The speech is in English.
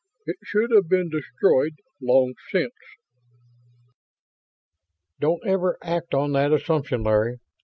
It should have been destroyed long since." "Don't ever act on that assumption, Larry."